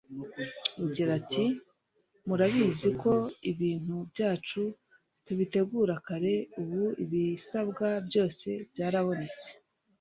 Agira ati “Murabizi ko ibintu byacu tubitegura kare ubu ibisabwa byose byarabonetse